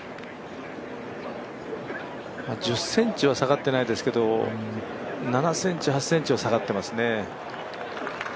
１０ｃｍは下がってないですけど、７ｃｍ、８ｃｍは下がってますね。